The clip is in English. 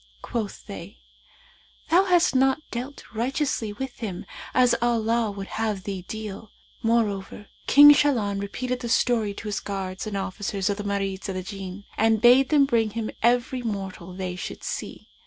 Quoth they, 'Thou hast not dealt righteously with him, as Allah would have thee deal.' Moreover King Shahlan repeated the story to his guards and officers of the Marids of the Jinn and bade them bring him every mortal they should see.